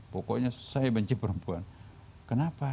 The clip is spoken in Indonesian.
pokoknya saya benci perempuan kenapa